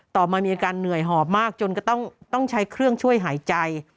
มามีอาการเหนื่อยหอบมากจนก็ต้องใช้เครื่องช่วยหายใจ